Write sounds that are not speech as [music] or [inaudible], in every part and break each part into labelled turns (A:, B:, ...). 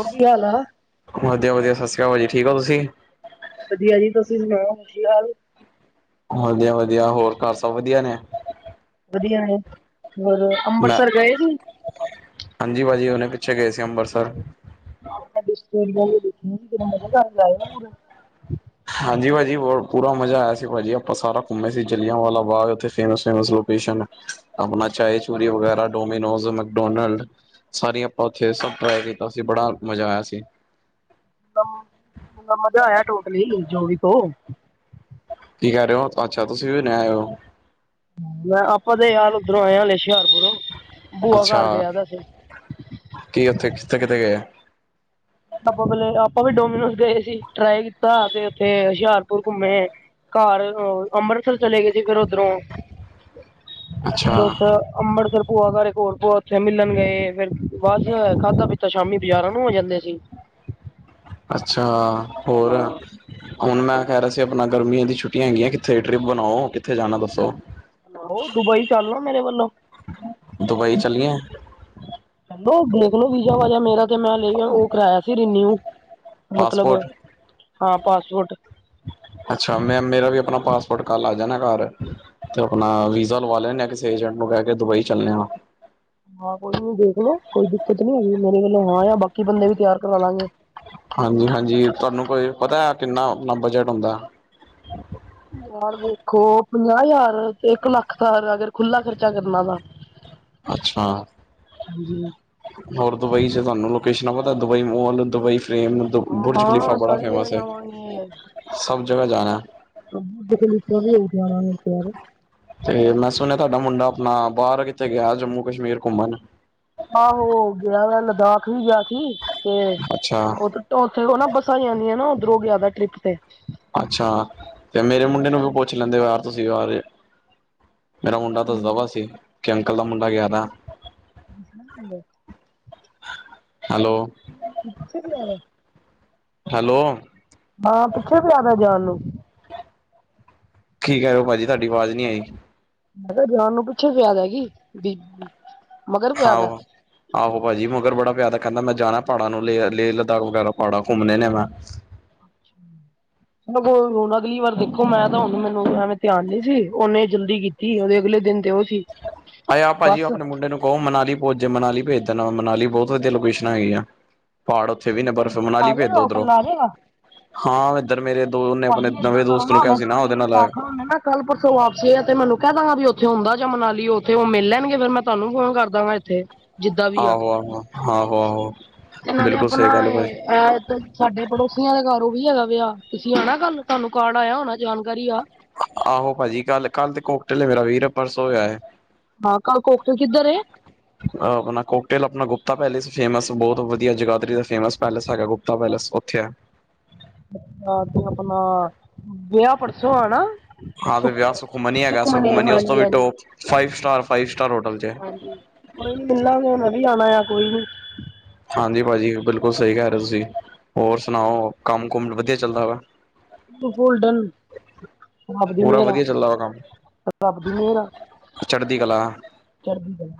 A: Okay ਹਾਲ ਆ?
B: ਵਧੀਆ ਵਧੀਆ ਫਸਕਲਾਸ ਬਾਜੀ ਠੀਕ ਓ ਤੁਸੀ?
A: ਵਧੀਆ ਜੀ ਤੁਸੀ ਸੁਣਾਓ ਕੀ ਹਾਲ?
B: ਵਧੀਆ- ਵਧੀਆ ਹੋਰ ਘਰ ਸਭ ਵਧੀਆ ਨੇ?
A: ਵਧੀਆ ਨੇ ਹੋਰ
B: ਮੈਂ
A: ਅੰਬਰਸਰ ਗਏ ਥੀ?
B: ਹਾਂਜੀ, ਭਾਜੀ ਹੁਨੇ ਪਿੱਛੇ ਗਏ ਸੀ ਅੰਬਰਸਰ।
A: ਆ ਡਿਸਟੋਰੀਆ ਜੀ ਦੇਖੀਆਂ, ਕਿੰਨਾ ਮਜ਼ਾ ਆਦਾ ਹੋਰ
B: ਹਾਂਜੀ ਭਾਜੀ, ਪੂਰਾ ਮਜ਼ਾ ਆਇਆ ਸੀ ਭਾਜੀ ਆਪ ਸਾਰਾ ਘੁੰਮੇ ਸੀ, ਜਿਲ੍ਹਿਆਂਵਾ ਬਾਗ ਉਥੇ ਫੇਮਸ-ਫੇਮਸ ਲੋ ਆਪਣਾ, ਚਾਏ-ਚੂਰੀ ਵਗੈਰਾ ਡੋਮੀਨੋਜ ਡੋਨਲਡ ਸਾਰੀਆਂ ਆਪਾ ਓਥੇ, ਸਬ ਸਟਰਾਈ ਕੀਤਾ ਸੀ, ਬੜਾ ਮਜਾ ਆਇਆ ਸੀ।
A: ਤਲਬ ਪੂਰਾ ਮਜਾ ਆਇਆ ਟੋਟਲੀ, ਜੋ ਵੀ ਕਹੋ।
B: ਕੀ ਕੈ ਰਹੇ ਓ ਅੱਛਾ, ਤੁਸੀ ਵੀ ਨੈ ਆਏ ਓ
A: ਮੈ ਆਪਾ ਤੇ ਯਾਰ ਓਦਰੋ ਆਏ ਆ, ਹਲੇ ਹੁਸ਼ਿਆਰਪੁਰੋ
B: ਅੱਛਾ, ਕੀ ਓਥੇ, ਕਿੱਥੇ-ਕਿੱਥੇ ਗਏ?
A: ਆਪਾ ਬਲੇ ਆਪਾ ਵੀ ਡੋਮੀਨੋਜ ਗਏ ਸੀ, ਟਰਾਈ ਕੀਤਾ ਤੇ ਓਥੇ ਹੁਸ਼ਿਆਰਪੁਰ ਘੁੰਮੇ ਘਰ ਅੰਮ੍ਰਿਤਸਰ ਚਲੇ ਗਏ ਸੀ, ਫੇਰ ਉਧਰੋ ਫ
B: ਅੱਛਾ
A: ਓਥੇ ਅੰਬਰਸਰ ਭੂਆ ਕਰ ਹੋਰ ਭੂਆ ਓਥੇ ਮਿਲਣ ਗਏ, ਫੇਰ ਬਸ ਖਾਦਾ ਪੀਤਾ ਸ਼ਾਮੀ ਬਾਜਾਰਾਂ ਨੂੰ ਹੋ ਜਾਨੇ ਅਸੀ
B: ਅੱਛਾ ਹੋਰ, ਹੁਣ ਮੈ ਕੈ ਰਿਹਾ ਸੀ,
A: ਸੁਣਾਓ
B: ਆਪਣਾ ਗਰਮੀਆਂ ਦੀ ਛੁੱਟੀ ਹੈਗੀਆਂ, ਕਿਥੇ ਟ੍ਰਿਪ ਬਣਾਓ, ਕਿਥੇ ਜਾਣਾ ਦੱਸੋ?
A: ਹੋ, ਦੁਬਈ ਚੱਲਲੋ, ਮੇਰੇ ਵਲੋ
B: ਦੁਬਈ ਚਲੀਏ
A: ਚਲੋ, ਨਿਕਲੋ ਵੀਜਾ-ਵਾਜਾ ਮੇਰਾ ਤੇ ਮੈ ਓ ਕਰਾਇਆ ਸੀ, ਰੀਨਿਊ ਮਤਲਬ
B: ਪਾਸਪੋਰਟ
A: ਹਾਂ, ਪਾਸਪੋਟ
B: ਅੱਛਾ, ਮੈ ਮੇਰਾ ਵੀ ਆਪਣਾ ਪਾਸਪੋਰਟ ਕੱਲ ਆ ਜਾਣਾ ਘਰ ਤੇ ਆਪਣਾ ਵੀਜਾ ਲਵਾ ਲੈਣੇ ਆ, ਕਿਸੇ ਏਜੰਟ ਨੂੰ ਕੈ ਕੇ ਦੁਬਈ ਚੱਲਣੇਆ
A: ਹਾਂ, ਕੋਈ ਨੀ ਦੇਖਲੋ ਕੋਈ ਦਿਕਤ ਨੀ ਹੈਗੀ, ਮੇਰੇ ਵੱਲੋ ਹਾਂ ਆ, ਬਾਕੀ ਬੰਦੇ ਵੀ ਤਿਆਰ ਕਰਾਲਾਗੇ
B: ਹਾਂਜੀ-ਹਾਂਜੀ, ਤੁਆਨੂੰ ਕੋਈ ਪਤਾ ਐ ਕਿਨਾ ਬਜਟ ਹੁੰਦਾ?
A: ਯਾਰ ਦੇਖੋ, ਪੰਜਾਂਹ ਹਜਾਰ, ਇੱਕ ਲੱਖ ਦਾ ਅਗਰ ਖੁੱਲਾ ਖਰਚਾ ਕਰਨਾ ਤਾਂ
B: ਅੱਛਾ।
A: ਹਾਂਜੀ।
B: ਹੋਰ ਦੁਬਈ 'ਚ ਤੁਆਨੂੰ ਲੋਕੇਸ਼ਨਾਂ ਪਤਾ, Dubai mall Dubai frame, Burj Khalifa
A: ਹਾਂ
B: ਬੜਾ
A: ਸਾਰੀ ਜਗ੍ਹਾ
B: ਫੇਮਸ ਐ। ਸਭ ਜਗ੍ਹਾ ਜਾਣਾ
A: [inaudible]
B: ਤੇ ਮੈ ਸੁਣਿਆ ਤੁਹਾਡਾ ਮੁੰਡਾ ਆਪਣਾ, ਬਾਰ ਕਿਥੇ ਗਿਆ, ਜੰਮੂ ਕਸ਼ਮੀਰ ਘੁੰਮਣ
A: ਆਹੋ ਗਿਆ ਵਾ, ਲੱਦਾਖ ਵੀ ਗਿਆ ਸੀ ਤੇ
B: ਅੱਛਾ
A: ਉਥ ਉਥੇ ਓਨਾ ਬੱਸਾਂ ਜਾਦੀਆਂ ਨਾ, ਉਧਰੋ ਜਿਆਦਾ ਟਰਿਪ ਤੇ
B: ਅੱਛਾ ਤੇ ਮੇਰੇ ਮੁੰਡੇ ਨੂੰ ਵੀ ਪੁੱਛ ਲੈਂਦੇ, ਯਾਰ ਤੁਸੀ ਬਾਰ ਮੇਰਾ ਮੁੰਡਾ ਦੱਸਦਾਵਾ ਸੀ ਕਿ ਅੰਕਲ ਦਾ ਮੁੰਡਾ ਗਿਆ ਵਾ।
A: [inaudible]
B: ਹੈਲੋ।
A: ਪਿੱਛੇ ਵੀ ਆ ਰਿਆ।
B: ਹੈਲੋ।
A: ਹਾਂ, ਪਿੱਛੇ ਪਿਆ ਦਾ ਜਾਣ ਨੂੰ।
B: ਕੀ ਕੈ ਰਹੇ ਓ ਭਾਜੀ, ਤੁਆਡੀ ਵਾਜ਼ ਨੀ ਆਈ।
A: ਮੈਂ ਕਿਹਾ ਜਾਣ ਨੂੰ ਪਿੱਛੇ, ਫਿਆਦ ਹੈਗੀ ਈ ਵੀ ਮਗਰ ਪਿਆ
B: ਹਾ,
A: ਦਾ
B: ਓ। ਆਹੋ ਭਾਜੀ, ਮਗਰ ਬੜਾ ਪਿਆਰ ਤਾਂ ਕੈਦਾ ਮੈਂ ਜਾਣਾ ਪਾੜਾਂ ਨੂੰ ਲੇ ਲੇਹ ਲਦਾਖ ਵਗੈਰਾ, ਪਾੜਾਂ ਘੁੰਮਣੇ ਨੇ ਮੈਂ
A: ਅੱਛਾ। ਹੁਣ ਅਗਲੀ ਵਾਰ ਦੇਖੋ, ਮੈਂ ਤਾਂ ਹੁਣ ਮੈਨੂੰ ਐਵੇਂ ਧਿਆਨ ਨੀ ਸੀ, ਓਹਨੇ ਜਲਦੀ ਕੀਤੀ। ਕੀ ਓਦੇ ਅਗਲੇ ਦਿਨ ਤੇ ਓ ਸੀ।
B: ਆਏ ਆ ਭਾਜੀ
A: ਬਸ
B: ਆਪਣੇ ਮੁੰਡੇ ਨੂੰ ਕਹੋ, ਮਨਾਲੀ ਪੁਜ ਮਨਾਲੀ ਭੇਜ ਦੇਣਾ, ਮਨਾਲੀ ਬੋਤ ਵਧੀਆ ਲੋਕੇਸ਼ਨਾ ਹੈਗੀਆ। ਪਹਾੜ ਓਥੇ ਵੀ ਨੇ ਬਰਫ ਮਨਾਲੀ
A: ਆ
B: ਭੇਜ ਤਾ
A: ਜਾਏਗਾ ਉਹ
B: ਓਦਰੋਂ
A: ਕੱਲਾ ਆ ਜਾਏਗਾ
B: ਹਾਂ ਏਦਰ ਮੇਰੇ ਦੋ
A: [inaudible]
B: ਆਪਣੇ ਨਵੇਂ ਦੋਸਤ ਨੂੰ ਕਿਹਾ ਸੀ ਨਾ ਉਹਦੇ ਨਾਲ
A: ਕੱਲ ਪਰਸੋਂ ਵਾਪਸੀ ਆ ਤੇ ਮੈਨੂੰ ਕੈ ਦਾਂਗਾ ਵੀ ਓਥੇ ਹੁੰਦਾ ਜਾ ਮਨਾਲੀ ਓਥੇ ਓ ਮਿਲ ਲੈਣਗੇ ਫੇਰ ਮੈਂ ਤੁਆਨੂੰ ਫੋਨ ਕਰ ਦਾਂਗਾ ਏਥੇ ਜਿੱਦਾਂ ਵੀ ਆ,
B: ਆਹੋ ਆਹੋ ਆਹੋ ਆਹੋ
A: ਤੇ ਨਾਲੇ
B: ਬਿਲਕੁਲ
A: ਆਪਣਾ
B: ਸਹੀ ਗੱਲ ਹੈ
A: ਏ
B: ਭਾਜੀ
A: ਏਦ ਸਾਡੇ ਪੜੋਸੀਆਂ ਦੇ ਘਰ ਓ ਵੀ ਹੈਗਾ ਵਿਆਹ ਤੁਸੀਂ ਆਣਾ ਕੱਲ ਤੁਆਨੂੰ ਕਾਰਡ ਆਏਆ ਹੋਣਾ ਜਾਣਕਾਰੀ ਆ।
B: ਆਹੋ ਭਾਜੀ ਕੱਲ, ਕੱਲ ਤੇ ਕੋਕਟਲ ਐ ਮੇਰਾ ਵੀਰ ਪਰਸੋਂ ਵਿਆਹ ਐ।
A: ਹਾਂ ਕੋਕਟੇਲ ਕਿੱਦਰ ਏ?
B: ਅ ਆਪਣਾ ਕੋਕਟੇਲ ਆਪਣਾ ਗੁਪਤਾ ਪੈਲੇਸ ਫੇਮਸ ਬੋਤ ਵਦੀਆ ਜਗਾਧਰੀ ਫੇਮਸ ਪੈਲੇਸ ਹੈਗਾ ਗੁਪ ਤਾ ਪੈਲੇਸ ਓਥੇ ਐ।
A: ਤੇ ਆਪਣਾ ਵਿਆਹ ਪਰ
B: ਹਾਂ ਤੇ ਵਿਆਹ ਸੁਖਮਨੀ ਹੈਗਾ ਸੁਖਮਨੀ ਉਸ ਤੋਂ
A: ਹਾਂਜੀ
B: ਵੀ
A: ਹਾਂਜੀ
B: top five star five star hotel ਚ ਐ। [inaudible]
A: ਹਾਂਜੀ ਕੋਈ ਨੀ ਮਿਲਾਂਗੇ ਮੈਂ ਵੀ ਆਣਾ ਏਆ ਕੋਈ ਨੀ।
B: ਹਾਂਜੀ ਭਾਜੀ ਬਿਲਕੁਲ ਸਈ ਕੈ ਰਏ ਤੁਸੀਂ ਹੋਰ ਸੁਣਾਓ ਕੰਮ-ਕੁਮ ਵਦੀਆ ਚੱਲਦਾ ਵਾ।
A: ਬੋਲਡਨ ਰੱਬ ਦੀ
B: ਪੂਰਾ
A: ਮੇਰ ਆ।
B: ਵਧੀਆ ਚੱਲਦਾ ਵਾ ਕੰਮ
A: ਰੱਬ ਦੀ ਮੇਰ ਆ
B: ਚੜ੍ਹਦੀ
A: ਚੜਦੀ ਕਲਾ।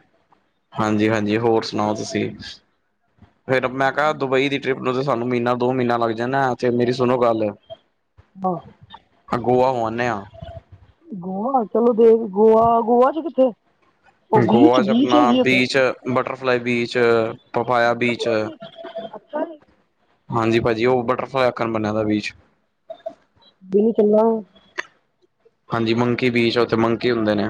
B: ਹਾਂਜੀ-ਹਾਂਜੀ, ਹੋਰ ਸੁਣਾਓ ਤੁਸੀਂ? ਫੇਰ ਮੈਂ ਕਿਆ ਦੁਬਈ ਦੀ ਟ੍ਰਿਪ ਨੂੰ ਤੇ ਸਾਨੂੰ ਮੀਨਾ ਦੋ ਮੀਨਾ ਲੱਗ ਜਾਣਾ ਤੇ ਮੇਰੀ ਸੁਣੋ ਗੱਲ
A: ਹਾਂ।
B: ਗੋਆ ਹੋ ਆਨੇ ਆਂ।
A: ਗੋਆ ਚਲੋ ਦੇ ਗੋਆ-ਗੋਆ ਚ ਕਿੱਥੇ? ਉਹ ਬੀਚ
B: ਗੋਆ ਚ
A: ਬੀਚ
B: ਆਪਣਾ
A: ਹੈਗੀ ਉੱਥੇ
B: beach butterfly beach, papaya beach
A: ਅੱਛਾ
B: ਹਾਂਜੀ ਭਾਜੀ ਓ ਬਟਰਫਲਾਈ ਆਖਣ ਬੰਦਿਆ ਦਾ ਬੀਚ
A: ਜਰੂਰ ਚੱਲਾਂਗੇ।
B: ਹਾਂਜੀ ਮੰਕੀ ਬੀਚ ਆ, ਉੱਥੇ ਮੰਕੀ ਹੁੰਦੇ ਨੇ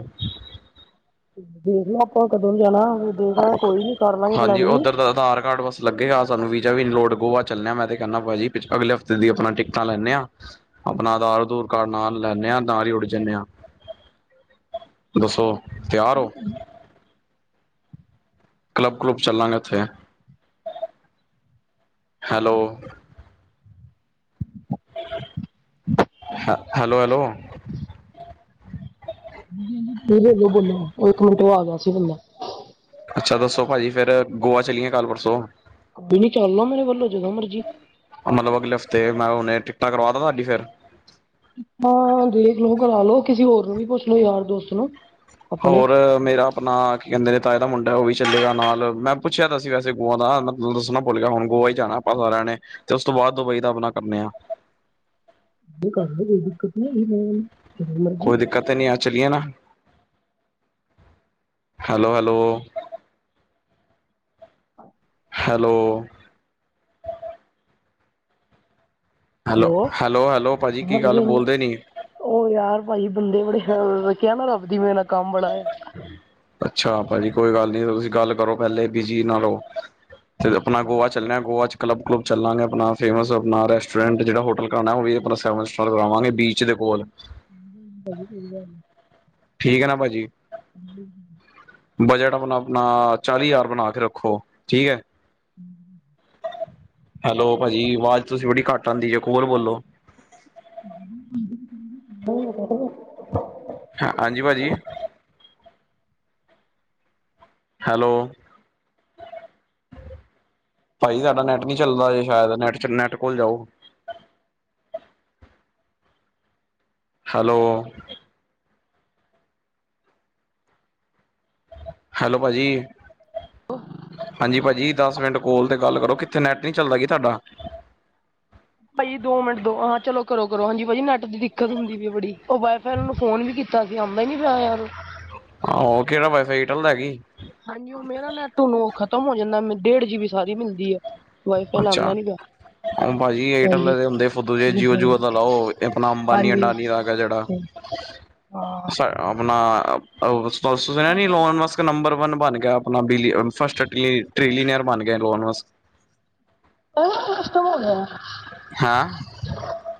A: ਦੇਖ ਲੋ ਆਪਾਂ ਕਦੋਂ ਕ ਜਾਣਾ ਦੇਖ ਲੋ ਕੋਈ ਨੀ ਕਰ ਲਾਂਗੇ
B: ਹਾਂਜੀ
A: ਪਲੈਨਿੰਗ
B: ਉੱਧਰ ਦਾ ਆਧਾਰ ਕਾਰਡ ਬਸ ਲੱਗੇਗਾ ਸਾਨੂੰ ਵੀਜਾ ਵੀ ਨੀ ਲੋੜ ਗੋਆ ਚੱਲੇਆ ਮੈਂ ਤੇ ਕੈਂਨਾ ਭਾਜੀ ਅਗਲੇ ਹਫਤੇ ਦੀ ਆਪਣਾ ਟਿਕਟਾਂ ਲੈਂਨੇ ਆਂ। ਆਪਣਾ ਆਧਾਰ-ਅਧੂਰ ਕਾਡ ਨਾਲ ਲੈਂਨੇ ਆਂ ਨਾਲ ਈ ਉੱਡ ਜਾਨੇ ਆਂ। ਦੱਸੋ ਤਿਆਰ ਓ? ਕਲੱਬ-ਕਲੂਬ ਚੱਲਾਂਗੇ ਓਥੇ, ਹੈਲੋ ਹੈਲੋ-ਹੈਲੋ।
A: ਜੀ-ਜੀ, ਬੋਲੋ-ਬੋਲੋ ਓ ਇੱਕ ਮਿੰਟ ਓ ਆ ਗਿਆ ਸੀ ਬੰਦਾ
B: ਅੱਛਾ ਦੱਸੋ ਭਾਜੀ ਫੇਰ ਗੋਆ ਚਲੀਏ ਕੱਲ ਪਰਸੋਂ
A: [unintelligible] ਚੱਲ ਨਾ ਮੇਰੇ ਵੱਲੋਂ ਜਦੋਂ ਮਰਜੀ।
B: ਮਤਲਬ ਅਗਲੇ ਹਫ਼ਤੇ ਮੈਂ ਹੁਨੇ ਟਿਕਟਾਂ ਕਰਵਾ ਦਾ ਤੁਆਡੀ ਫੇਰ?
A: ਹਾਂ ਦੇਖ ਲਓ ਕਰਾ ਲੋ ਕਿਸੇ ਹੋਰ ਨੂੰ ਵੀ ਪੁੱਛ ਲੋੋ ਯਾਰ ਦੋਸਤ ਨੂੰ। ਆਪਣੇ
B: ਹੋਰ ਮੇਰਾ ਆਪਣਾ ਕੀ ਕੈਂਦੇ ਨੇ ਤਾਏ ਦਾ ਮੁੰਡਾ ਓ ਵੀ ਚੱਲੇਗਾ ਨਾਲ, ਮੈਂ ਪੁੱਛਿਆ ਤਾਂ ਸੀ ਵੈਸੇ ਗੋਆ ਦਾ ਮੈਂ ਥੋਨੂੰ ਦੱਸਣਾ ਭੁੱਲ ਗਿਆ ਹੁਣ ਗੋਆ ਹੀ ਜਾਣਾ ਆਪਾਂ ਸਾਰੇਆਂ ਨੇ ਤੇ ਉਸ ਤੋਂ ਬਾਦ ਦੁਬਈ ਦਾ ਆਪਣਾ ਕਰਨੇ ਆ।
A: ਨਈਂ ਘਰ ਦਿਆਂ ਨੂੰ ਕੋਈ ਦਿੱਕਤ ਨਈਂ ਨਾ।
B: ਕੋਈ ਦਿੱਕਤ ਤਾਂ ਨਈ ਐ ਚੱਲੀਏ ਨਾ, ਹੈਲੋ-ਹੈਲੋ। ਹੈਲੋ। ਹੈਲੋ, ਹੈਲੋ-ਹੈਲੋ ਭਾਜੀ ਕੀ ਗੱਲ ਬੋਲਦੇ ਨੀ ਗੇ?
A: ਓ ਯਾਰ, ਭਾਅਜੀ, ਬੰਦੇ ਬੜੇ ਸ਼ਰਾਰਤ ਕੇਆ ਨਾ, ਰੱਬ ਦੀ ਮੇਹਨਤ।
B: ਅੱਛਾ, ਭਾਜੀ, ਕੋਈ ਗੱਲ ਨੀ ਤੁਸੀਂ ਗੱਲ ਕਰੋ। ਪਹਿਲੇ ਬਿਜ਼ੀ ਨਾਲੋ, 'ਤੇ ਫਿਰ ਅਪਨਾ ਗੋਆ ਚੱਲਨੈ, ਗੋਆ 'ਚ। ਕਲੱਬ-ਕਲੂੱਬ ਚਲਾਂਗੇ ਅਪਨਾ, ਫੇਮਸ ਨਾ ਰੈਸਟੋਰੈਂਟ ਜੇੜਾ ਹੋਟਲ ਕਰਾਨੈ, ਉਹ ਵੀ ਅਪਨਾ ਸੈਵਨ ਸਟਾਰ ਬਨਾਵਾਂਗੇ ਬੀਚ ਦੇ। ਬੋਲ।
A: ਭਾਅਜੀ, ਕੀ ਗੱਲ ਏ?
B: ਠੀਕ ਐ ਨਾ ਭਾਜੀ।
A: [inaudible]
B: ਬਜਟ ਆਪਨਾ- ਆਪਨਾ ਚਾਲੀ ਹਜ਼ਾਰ ਬਨਾ ਕੇ ਰੱਖੋ, ਠੀਕ ਐ।
A: [inaudible]
B: ਹੈਲੋ, ਭਾਜੀ, ਆਵਾਜ਼ ਤੁਸੀਂ ਬੜੀ ਘੱਟ ਆਂਦੀ ਏ, ਕੋਲ ਬੋਲੋ।
A: [unintelligible]
B: ਹਾਂਜੀ‌‌‌, ਭਾਜੀ। ਹੈਲੋ। ਭਾਜੀ, ਸਾਡਾ ਨੈਟ ਨੀ ਚੱਲਦਾ ਜੇ ਸ਼ੈਦ ਨੈਟ 'ਚ ਨੈੱਟ ਕੋਲ ਜਾਓ। ਹੈਲੋ। ਹੈਲੋ, ਭਾਅ ਜੀ।
A: ਔਹ।
B: ਹਾਂਜੀ, ਭਾਅ ਜੀ, ਦਸ ਮਿੰਟ ਕੋਲ ਤੇ ਗੱਲ ਕਰੋ, ਕਿੱਥੇ ਨੈੱਟ ਨੀ ਚੱਲਦਾ ਕੀ ਤੁਹਾਡਾ?
A: ਭਾਅ ਜੀ, ਦੋ ਮਿੰਟ, ਦੋ ਹਾਂ, ਚਲੋ ਕਰੋ, ਕਰੋ। ਹਾਂਜੀ ਭਾਅ ਜੀ, ਨੈਟ ਦੀ ਦਿੱਕਤ ਹੁੰਦੀ ਪਈ ਬੜੀ, ਉਹ ਵਾਈ ਫਾਈ ਨੂੰ ਫੋਨ ਵੀ ਕੀਤਾ ਸੀ, ਆਂਦਾ ਈਨੀ ਪੇਆ ਯਾਰ।
B: ਆਹੋ, ਕੇੜਾ ਵਾਈਫਾਈ ਏਅਰ ਟੈੱਲ ਦਾ ਹੈ ਕੀ?
A: ਹਾਂਜੀ, ਓ ਮੇਰਾ ਨੈਟ ਹੁਨ ਓ ਖ਼ਤਮ ਹੋ ਜਾਂਦੈ, ਮੈਨੁ ਡੇਢ ਜੀ, ਬੀ, ਸਾਰੀ ਮਿਲਦੀ ਐ। ਵਾਈ-ਫਾਈ ਆਲਾ ਆਂਦਾ ਨੀ ਪੇਆ।
B: ਅਹ ਭਾਜੀ, ਏਅਰਟੈੱਲ ਦੇ ਹੁੰਦੇ ਫੁੱਦੂ ਜਿਹੇ। ਜੀਓ, ਜੀਓ ਦਾ ਲਾਓ, ਆਪਨਾ
A: ਹਾਂਜੀ
B: ਅੰਬਾਨੀ-ਅੰਡਾਨੀ ਆ ਗਿਆ ਜੇੜਾ। [unintelligible]
A: ਹਾਂ।
B: ਆਪਨਾ ਓ ਸਪੋਂਸਰ ਲੈਨੀ ਲੋਨ ਵਾਸ ਤੇ ਨੰਬਰ ਵਨ ਬਨ ਗਿਐ ਅਪਨਾ, ਬ੍ਰਿਲੀਅਨਸ, ਫਸਟ ਟ੍ਰਿਲੀ- ਟ੍ਰਿਲੀਨੀਅਰ ਬਨ ਗਿਆ ਲੋਨ ਵਾਸਤੇ।
A: ਅਹ ਸਿਸਟਮ ਹੋ ਗਿਆ।
B: ਹਾਂ।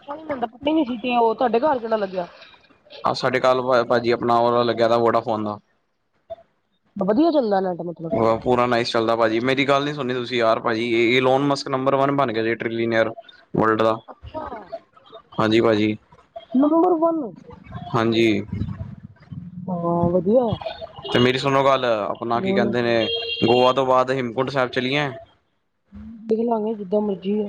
A: ਕੋਈ ਨੀ ਮਿਲਦਾ, ਈ ਨੀ ਸੀ ਤੇ ਉਹ ਤੁਹਾਡੇ ਘਰ ਕਿੱਦਾਂ ਲੱਗਿਆ?
B: ਆਹ ਸਾਡੇ ਕੱਲ ਲਵਾਇਆ ਭਾਅਜੀ, ਅਪਨਾ ਓ ਵਾਲਾ ਲੱਗਿਆ ਦਾ ਵੋਡਾਫੋਨ ਦਾ।
A: ਬ ਵਦੀਆ ਚੱਲਦੈ ਨੈੱਟ ਬਈ।
B: ਵਾਹ! ਪੂਰਾ ਨਾਈਸ ਚੱਲਦਾ ਭਾਜੀ, ਮੇਰੀ ਗੱਲ ਨੀ ਸੁਨਨੀ ਤੁਸੀਂ ਯਾਰ ਭਾਜੀ, ਏ ਲੋਨ ਮਸਤ ਨੰਬਰ ਵਨ ਬਨ ਗਿਆ ਜੇ, ਟਰੇਲੀਨੀਅਰ। ਵਰਲਡ ਦਾ,
A: ਅੱਛਾ
B: ਹਾਂਜੀ ਭਾਜੀ।
A: ਨੰਬਰ ਵਨ-ਵਨ
B: ਹਾਂਜੀ
A: ਹਾਂ, ਵਦ
B: ਤੇ ਮੇਰੀ ਸੁਨੋ ਗੱਲ, ਆਪਨਾ ਕੀ
A: ਬੋਲ
B: ਕੈਂਦੇ ਨੇ, ਗੋਆ ਤੋਂ ਬਾਅਦ ਹੇਮਕੁੰਟ ਸਾਹਿਬ ਚੱਲੀਏ।
A: ਦੇਖ ਲਾਂਗੇ ਜਿੱਦਾਂ ਮਰਜੀ ਆ।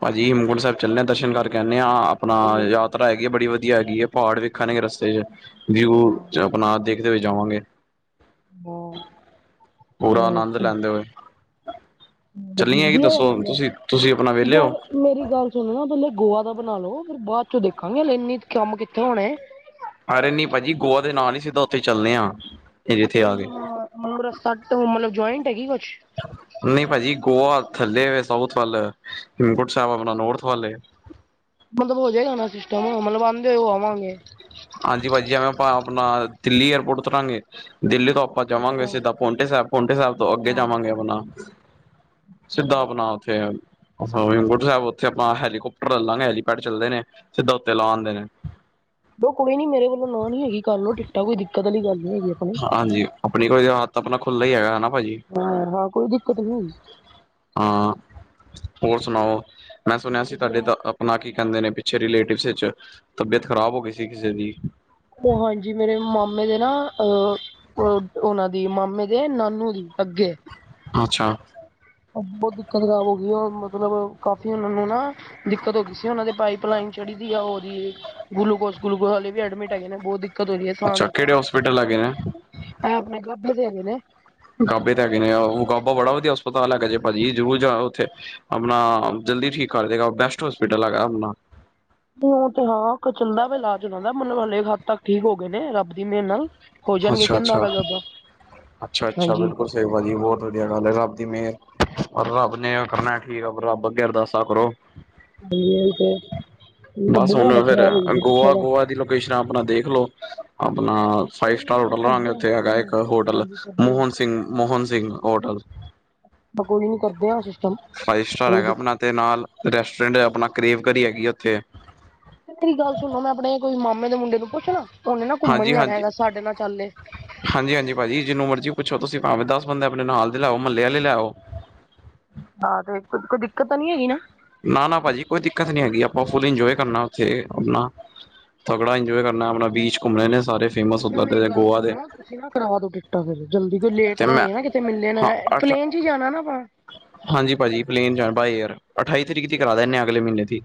B: ਭਾਅਜੀ, ਹੇਮਕੁੰਟ ਸਾਹਿਬ ਚੱਲਨੈ, ਦਰਸ਼ਨ ਕਰਕੇ ਆਨੇ ਆ ਆਪਨਾ
A: ਠੀਕ ਹੈ
B: ਯਾਤ ਹੈਗੀ ਏ, ਬੜੀ ਵਦੀਆ ਹੈਗੀ ਏ। ਪਹਾੜ ਵੇਖਨਗੇ ਰਸਤੇ 'ਚ, ਵਿਊ
A: ਹਾਂ
B: 'ਚ ਆਪਨਾ ਦੇਖਦੇ ਹੋਏ ਜਾਵਾਂਗੇ।
A: ਬੋਅ।
B: ਪੂਰਾ ਆਨੰਦ ਲੈਂਦੇ ਹੋਏ।
A: ਵ-
B: ਚੱਲੀਏ ਕਿ
A: ਵਧੀਆ ਆ
B: ਦੱਸੋ
A: ਮਤਲਬ,
B: ਤੁਸੀਂ ਤੁਸੀਂ ਆਪਣਾ ਵਿਹਲੇ ਹੋ
A: ਯਾਰ ਮੇਰੀ ਗੱਲ ਸੁਣੋ ਪੈਲੇ ਗੋਆ ਦਾ ਬਣਾ ਲੋ ਫਿਰ ਬਾਦ 'ਚ ਦੇਖਾਂਗੇ ਹਲੇ ਇੰਨੇ ਕੰਮ ਕਿੱਥੇ ਹੋਣੇ।
B: ਅਰੇ ਨੀ ਭਾਜੀ ਗੋਆ ਦੇ ਨਾਲ ਈ ਸਿੱਧਾ ਉੱਥੇ ਚੱਲਨੇ ਆਂ।
A: ਅੱਛਾ ਮਤਲਬ ਸਾਡੇ ਤੋਂ ਮਤਲਬ ਜੋਆਇੰਟ ਹੈਗੀ ਕੁਛ
B: ਨਈ ਭਾਜੀ ਗੋਆ ਥੱਲੇ ਵੇ ਸਾਊਥ ਵੱਲ ਹੇਮਕੁੰਟ ਸਾਹਿਬ ਆਪਣਾ ਨੋਰਥ ਵੱਲ ਏ।
A: ਮਤਲਬ ਹੋ ਜੇਗਾ ਨਾ ਸਿਸਟਮ ਮਤਲਬ ਆਂਦੇ ਹੋਏ ਆਵਾਂਗੇ।
B: ਹਾਂਜੀ ਭਾਜੀ ਆਂ ਆਪਾਂ ਆਪਣਾ ਦਿੱਲੀ ਏਅਰਪੋਰਟ ਉਤਰਾਂਗੇ ਦਿੱਲੀ ਤੋਂ ਅੱਜ ਜਾਵਾਂਗੇ
A: ਅੱਛਾ
B: ਸਿੱਧਾ ਪੋਂਟੇ ਸਾਹਿਬ ਪੋਂਟੇ ਸਾਹਿਬ ਤੋਂ ਅੱਗੇ
A: ਹਾਂ
B: ਜਾਵਾਂਗੇ ਆਪਣਾ ਸਿੱਧਾ ਆਪਣਾ ਉੱਥੇ ਅੱਛਾ ਹੇਮਕੁੰਟ ਸਾਹਿਬ ਉੱਥੇ ਆਪਾਂ ਹੈਲੀਕੋਪਟਰ ਲੈ ਲਾਂਗੇ ਹੈਲੀਪੈਡ ਚੱਲਦੇ ਨੇ ਸਿੱਧਾ ਉੱਤੇ ਲਾਹ ਆਂਦੇ ਨੇ।
A: ਦੋ ਕੋਈ ਨੀ ਮੇਰੇ ਵੱਲੋਂ ਨਾ ਨੀ ਹੈਗੀ ਕਰ ਲਓ ਟਿੱਕਟਾਂ ਕੋਈ ਦਿੱਕਤ ਵਾਲੀ ਗੱਲ ਨੀ ਹੈਗੀ ਆਪਣੀ
B: ਹਾਂਜੀ ਆਪਣੀ ਕੋਈ ਹੱਥ ਆਪਣਾ ਖੁੱਲ੍ਹਾ ਹੀ ਹੈਗਾ ਹਨਾ ਭਾਜੀ।
A: ਹਾਂ-ਹਾਂ ਕੋਈ ਦਿੱਕਤ ਨੀ।
B: ਹਾਂ ਹੋਰ ਸੁਣਾਓ ਮੈਂ ਸੁਣਿਆ
A: ਬਹੁਤ
B: ਸੀ ਤੁਹਾਡੇ
A: ਵਧੀਆ
B: ਤਾਂ ਆਪਨਾ ਕੀ ਕੈਦੇ ਨੇ ਪਿੱਛੇ ਰਿਲੇਟਿਵਸ ਵਿੱਚ ਤਬੀਅਤ ਖ਼ਰਾਬ ਹੋ ਗਈ ਸੀ ਕਿਸੇ ਦੀ
A: ਓ ਹਾਂਜੀ ਮੇਰੇ ਮਾਮੇ ਦੇ ਨਾ ਅ ਅ ਉਨਾਂ ਦੀ ਮਾਮੇ ਦੇ ਨਾਨੂ ਦੀ ਅੱਗੇ
B: ਹਾਂ ਅੱਛਾ
A: ਬੋਤ ਦਿੱਕਤ ਖ਼ਰਾਬ ਹੋ ਗਈ ਓ ਮਤਲਬ ਕਾਫ਼ੀ ਉਨ੍ਹਾ ਨੂੰ ਨਾ ਦਿੱਕਤ ਹੋ ਗਈ ਸੀ ਉਨਾਂ ਦੇ ਪਾਈਪ ਲਾਈਨ ਚੜੀ ਦੀ ਆ ਉਦੀ ਗਲੂਕੋਸ- ਗਲੂਕੋਜ ਹੱਲੇ ਵੀ ਐਡਮਿਟ ਹੈਗੇ ਨੇ ਬੋਤ ਦਿੱਕਤ ਹੋ ਰਈ ਏ ਸਾਹ
B: ਅੱਛਾ
A: ਦੀ
B: ਕਿਹੜੇ ਹੋਸਪਿਟਲ ਹੈਗੇ ਨੇ
A: ਐ ਆਪਣੇ ਗਾਬੇ ਦੇ ਹੈਗੇ ਨੇ।
B: ਗਾਬੇ ਦੇ ਹੈਗੇ ਨੇ ਓ ਗਾਬਾ ਬੜਾ ਵਧੀਆ ਹਸਪਤਾਲ ਹੈਗਾ ਜੇ ਭਾਜੀ ਜ਼ਰੂਰ ਜਾਨਾ ਉੱਥੇ ਆਪਣਾ ਜਲਦੀ ਠੀਕ ਕਰ ਦੇਗਾ ਬੈਸਟ ਹੋਸਪਿਟਲ ਹੈਗਾ ਆਪਣਾ
A: ਓ ਤੇ ਹਾਂ ਚਲੱਦਾ ਇਲਾਜ ਉਨਾਂ ਦਾ ਮਤਲਬ ਹਲੇ ਤਕ ਹੱਦ ਤੱਕ ਠੀਕ ਹੋ ਗਏ ਨੇ ਰੱਬ ਦੀ ਮੇਹਰ ਨਾਲ ਹੋ ਜਾਣਗੇ
B: ਅੱਛਾ
A: ਕੈਂਦਾ
B: ਅੱਛਾ
A: ਪਿਆ ਗਾਬਾ
B: ਅੱਛਾ ਅੱਛਾ
A: ਹਾਂਜੀ।
B: ਬਿਲਕੁਲ ਸਹੀ ਭਾਜੀ ਬੋਤ ਵਧੀਆ ਗੱਲ ਏ ਰੱਬ ਦੀ ਮੇਹਰ ਪਰ ਰੱਬ ਨੇ ਕਰਨਾ ਠੀਕ ਐ ਰੱਬ ਅੱਗੇ ਅਰਦਾਸਾਂ ਕਰੋ।
A: ਸਈ ਗੱਲ ਤੇ ਉਹਦਾ
B: ਬਸ ਹੁਣ
A: ਬਹੁਤ ਹਾਲਤ
B: ਫਿਰ
A: ਖਰਾਬ ਹੋ ਗਈ ਸੀ ਪਿੱਛੇ ਦਾ
B: ਗੋਆ-ਗੋਆ ਦੀ ਲੋਕੇਸ਼ਨਾਂ ਆਪਣਾ ਦੇਖਲਓ ਆਪਣਾ ਫਾਈਵ
A: ਕੋਈ ਨਹੀਂ
B: ਸਟਾਰ
A: ਕੋਈ ਨੀ,
B: ਹੋਟਲ ਲਾਂਗੇ
A: ਕਰਦੇ ਆ
B: ਉੱਥੇ ਹੈਗਾ
A: ਕਰਦੇ ਆ
B: ਇੱਕ ਹੋਟਲ
A: ਹਾਂਜੀ ਕਰਦੇ
B: ਮੋਹਨ ਸਿੰਘ-ਮੋਹਨ ਸਿੰਘ ਹੋਟਲ
A: ਆ ਕੋਈ ਨੀ ਕਰਦੇ ਆ ਸਿਸਟਮ
B: ਫਾਈਵ ਸਟਾਰ
A: ਕੋਈ
B: ਹੈਗਾ
A: ਵੀ
B: ਆਪਣਾ ਤੇ ਨਾਲ ਰੈਸਟੋਰੈਂਟ ਆਪਣਾ ਕਰੇਵ ਕਰੀ ਹੈਗੀ ਉੱਥੇ
A: ਮੇਰੀ ਗੱਲ ਸੁਣੋ ਮੈਂ ਆਪਣੇ ਕੋਈ ਮਾਮੇ ਦੇ ਮੁੰਡੇ ਨੂੰ ਪੁੱਛ ਲਾਂ ਉਨੇ ਨਾ ਘੁੰਮਣ ਜਾਣਾ ਹੈਗਾ ਸਾਡੇ ਨਾਲ ਚੱਲ ਲੇ।
B: ਹਾਂਜੀ-ਹਾਂਜੀ ਭਾਜੀਜਿਨੂੰ ਮਰਜ਼ੀ ਪੁੱਛੋ ਤੁਸੀ ਭਾਵੇਂ ਦਸ ਬੰਦੇ ਆਪਣੇ ਨਾਲ ਦੇ ਲੈ ਆਓ ਮਹੱਲੇ ਆਲੇ ਲੈ ਆਓ।
A: ਹਾਂ ਤੇ ਕੋਈ ਦਿੱਕਤ ਤਾਂ ਨਈ ਹੈਗੀ ਨਾ।
B: ਨਾ-ਨਾ ਭਾਜੀ ਕੋਈ ਦਿੱਕਤ ਨੀ ਹੈਗੀ ਆਪਾਂ ਫੁੱਲ ਇੰਜੋਏ ਕਰਨਾ ਉੱਥੇ ਆਪਣਾ ਤਗੜਾ ਇੰਜੋਏ ਕਰਨਾ ਆਪਣਾ ਬੀਚ ਘੁੰਮਣੇ ਨੇ ਸਾਰੇ ਫੇਮਸ
A: ਫਿਰ
B: ਉੱਧਰ
A: ਮੇਰੀ
B: ਦੇ
A: ਗੱਲ
B: ਗੋਆ ਦੇ
A: ਸੁਨੋ ਤੁਸੀਂ ਨਾ ਕਰਾ ਦੋ ਗੇ। ਆਹੋ ਜੀ ਜਲਦੀ ਕੋਈ ਲੇਟ
B: ਤੇ
A: ਨਾ ਹੋ
B: ਮੈਂ
A: ਜਾਏ ਨਾ ਕਿਤੇ ਮਿਲੇ ਨਾ
B: ਹਾਂ ਅੱਠ
A: ਪਲੇਨ 'ਚ ਈ ਜਾਣਾ ਨਾ ਆਪਾਂ
B: ਹਾਂਜੀ ਭਾਜੀਪਲੇਨ ਜਾਂ ਬਾਏ ਏਅਰ ਅਠਾਈ ਤਰੀਕ ਦੀ ਕਰਾ ਦਿੰਨੇ ਹਾਂ ਆ ਅਗਲੇ ਮ੍ਹੀਨੇ ਦੀ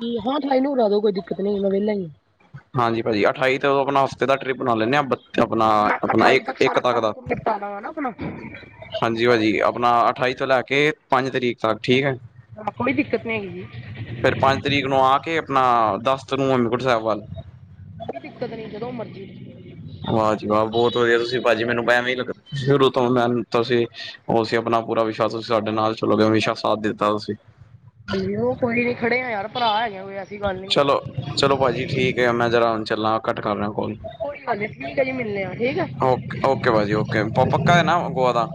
A: ਜੀ ਹਾਂ ਠਾਈ ਨੂੰ ਲਾ ਦੋ ਕੋਈ ਦਿੱਕਤ ਨੀ ਮੈਂ ਵੇਲਾ ਈ ਆਂ।
B: ਹਾਂਜੀ ਭਾਜੀ ਅਠਾਈ ਤੋਂ ਆਪਣਾ ਹਫ਼ਤੇ ਦਾ ਟਰਿਪ ਬਣਾ ਲੈਂ ਨੇ ਆ ਬ ਤੇ
A: ਹਾਂ ਮੈਂ
B: ਆਪਣਾ-ਆਪਣਾ
A: ਅਠਾਈ
B: ਇੱਕ-ਇੱਕ
A: ਸਾਰਾ
B: ਤੱਕ
A: ਕੰਮ
B: ਦਾ
A: ਕੁਮ ਨਿਪਟਾ ਲਵਾਂ ਨਾ ਆਪਣਾ
B: ਹਾਂਜੀ ਭਾਜੀ ਆਪਣਾ ਅਠਾਈ ਤੋਂ ਲੈ ਕੇ ਪੰਜ ਤਰੀਕ ਤੱਕ ਠੀਕ ਏ।
A: ਹਾਂ ਕੋਈ ਦਿੱਕਤ ਨਈ ਹੈਗੀ।
B: ਫਿਰ ਪੰਜ ਤਰੀਕ ਨੂੰ ਆ ਕੇ ਆਪਣਾ ਦਸ ਨੂੰ ਹੇਮਕੁੰਟ ਸਾਹਿਬ ਵੱਲ
A: ਕੋਈ ਦਿੱਕਤ ਨੀ ਜਦੋਂ ਮਰਜ਼ੀ
B: ਵਾਹ ਜੀ ਵਾਹ, ਬਹੁਤ ਵਧੀਆ ਤੁਸੀਂ ਭਾਜੀ ਮੈਨੂੰ ਐਂਵੇ ਲੱਗਾ ਸ਼ੁਰੂ ਤੋਂ ਮੈ ਤੁਸੀ ਉਹ ਅਸੀ ਅਪਨਾ ਪੂਰਾ ਵਿਸ਼ਵਾਸ, ਤੁਸੀ ਸਾਡੇ ਨਾਲ ਚਲੋਗੇ, ਹਮੇਸ਼ਾ ਸਾਥ ਦਿੱਤਾ ਤੁਸੀਂ
A: ਅਸੀਂ ਉਹ ਕੋਈ ਨੀ ਖੜੇ ਆ ਯਾਰ ਭਰਾ ਹੈਗੇ ਆਂ ਕੋਈ ਐਸੀ ਗੱਲ ਨੀ
B: ਤੇ ਹੁਨ ਮੈ ਜ਼ਰਾ ਹੁਣ ਚਲਾ ਕੱਟ ਕਰ ਰਿਹਾ ਕੋਲ
A: ਕੋਈ ਗੱਲ ਨਹੀਂ
B: ਓਕੇ ਭਾਜੀ ਓਕੇ ਪੱਕਾ ਹੈ ਨਾ ਗੋਆ ਦਾ